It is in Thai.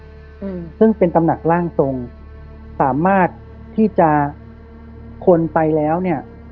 อืมซึ่งเป็นตำหนักร่างตรงสามารถที่จะคนไปแล้วเนี้ย